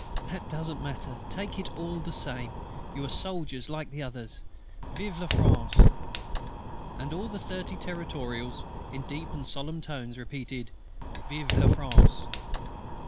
That doesn't matter. Take it all the same. You are soldiers, like the others.... Vive la France!" And all the thirty Territorials, in deep and solemn tones, repeated "_Vive la France!